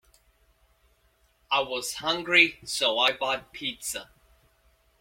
I was hungry, so I bought a pizza.